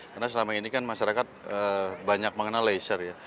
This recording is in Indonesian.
karena selama ini kan masyarakat banyak mengenal leisure ya